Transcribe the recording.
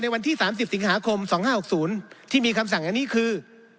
ในวันที่สามสิบสิงหาคมสองห้าหกศูนย์ที่มีคำสั่งอันนี้คือ